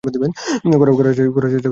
করার চেষ্টা করছি সেটাই গুরুত্বপূর্ণ।